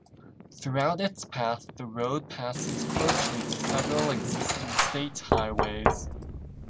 Throughout its path, the road passes closely to several existing state highways.